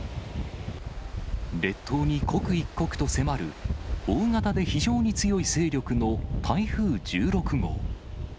列島に刻一刻と迫る大型で非常に強い勢力の台風１６号。